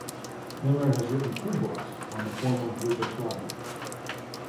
Miller has written two books on the former Yugoslavia.